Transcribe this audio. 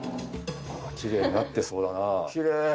キレイになってそうだな。